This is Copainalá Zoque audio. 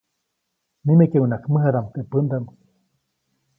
Nimekeʼuŋnaʼajk mäjadaʼm teʼ pändaʼm.